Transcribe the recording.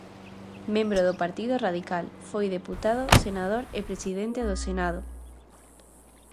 Membro do Partido Radical, foi deputado, senador e presidente do Senado.